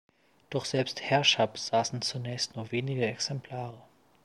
Doch selbst Herrscher besaßen zunächst nur wenige Exemplare.